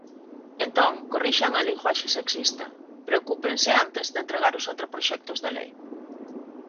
Entón, corrixan a linguaxe sexista, preocúpense antes de entregar os anteproxectos de lei.